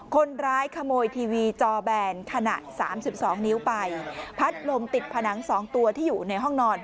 คนร้ายขโมยทีวีจอแบนขนาด๓๒นิ้วไปพัดลมติดผนัง๒ตัวที่อยู่ในห้องนอน